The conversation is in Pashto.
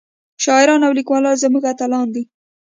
شاعران او ليکوال زمونږ اتلان دي